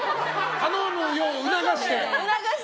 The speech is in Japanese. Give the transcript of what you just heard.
頼むよう促してる？